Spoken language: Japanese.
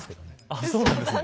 あっそうなんですね。